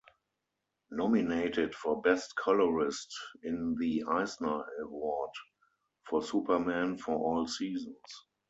Nominated for Best Colorist in the Eisner Award, for "Superman For All Seasons".